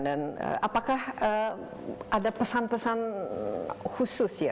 dan apakah ada pesan pesan khusus ya